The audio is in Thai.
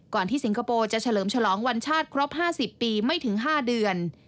ที่สิงคโปร์จะเฉลิมฉลองวันชาติครบ๕๐ปีไม่ถึง๕เดือน